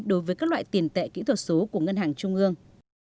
đối với các loại tiền tệ kỹ thuật số của ngân hàng trung ương